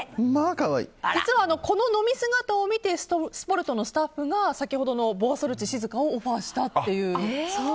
この飲み姿を見て「すぽると！」のスタッフが先ほどのボアソルチ静香をオファーしたという。